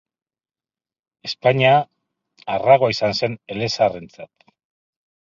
Espainia arragoa izan zen elezaharrentzat.